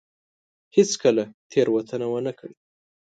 هېڅ کله تېروتنه ونه کړي.